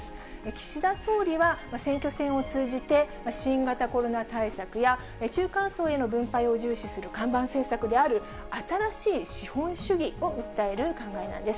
岸田総理は選挙戦を通じて、新型コロナ対策や中間層への分配を重視する看板政策である、新しい資本主義を訴える考えなんです。